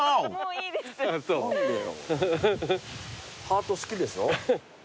ハート好きでしょ？